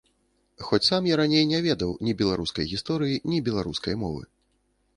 Хоць сам я раней не ведаў ні беларускай гісторыі, ні беларускай мовы.